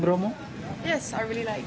pertama ketika kita berjalan ke